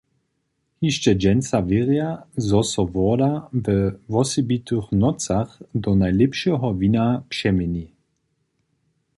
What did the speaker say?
Hišće dźensa wěrja, zo so woda we wosebitych nocach do najlěpšeho wina přeměni.